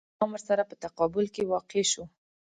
اسلام ورسره په تقابل کې واقع شو.